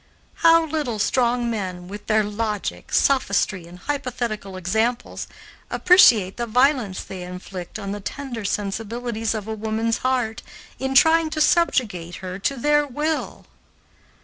How little strong men, with their logic, sophistry, and hypothetical examples, appreciate the violence they inflict on the tender sensibilities of a woman's heart, in trying to subjugate her to their will!